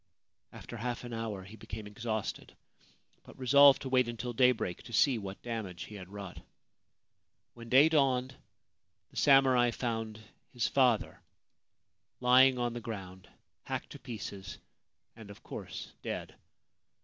After half an hour he became exhausted, but resolved to wait until daybreak, to see what damage he had wrought. When day dawned, the samurai found his father lying on 305 39 Ancient Tales and Folklore of Japan the ground, hacked to pieces, and of course dead.